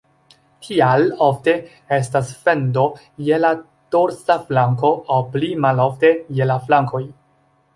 Tial ofte estas fendo je la dorsa flanko aŭ pli malofte je la flankoj.